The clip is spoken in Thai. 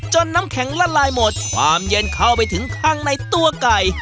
น้ำแข็งละลายหมดความเย็นเข้าไปถึงข้างในตัวไก่